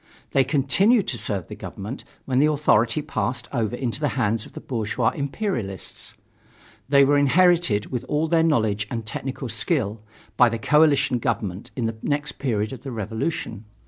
They continued to serve the government when the authority passed over into the hands of the bourgeois imperialists. They were inherited with all their knowledge and technical skill, by the coalition government in the next period of the revolution.